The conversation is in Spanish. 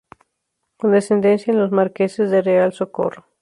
Con descendencia en los marqueses de Real Socorro.